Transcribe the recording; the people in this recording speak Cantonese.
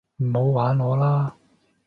唔好玩我啦